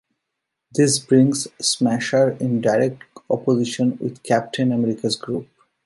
This brings Smasher in direct opposition with Captain America's group.